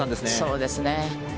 そうですね。